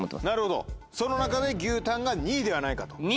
なるほどその中で牛タンが２位ではないかと。